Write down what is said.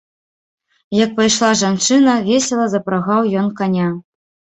Як пайшла жанчына, весела запрагаў ён каня.